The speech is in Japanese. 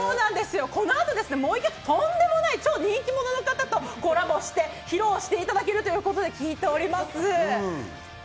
この後、もう一曲、とんでもない超人気者の方とコラボして披露していただけるということを聞いております。